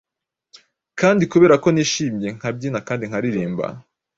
Kandi kubera ko nishimye, nkabyina kandi nkaririmba,